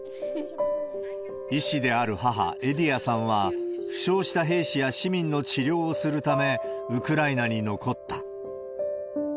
医師である母、エディヤさんは、負傷した兵士や市民の治療をするため、ウクライナに残った。